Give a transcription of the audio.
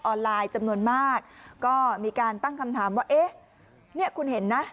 ไลน์จำนวนมากก็มีการตั้งคำถามว่าเอ๊ะเนี่ยคุณเห็นนะ